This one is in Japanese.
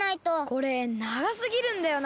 これながすぎるんだよな。